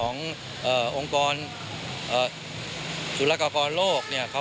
องกรสุรกะครโลก